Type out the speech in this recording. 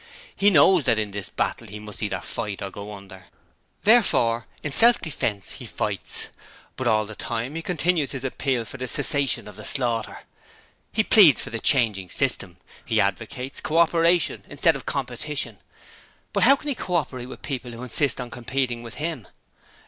He knows that in this battle he must either fight or go under. Therefore, in self defiance, he fights; but all the time he continues his appeal for the cessation of the slaughter. He pleads for the changing of the system. He advocates Co operation instead of Competition: but how can he co operate with people who insist on competing with him?